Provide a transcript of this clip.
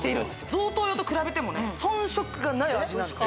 贈答用と比べてもね遜色がない味なんです